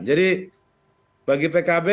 jadi bagi pkb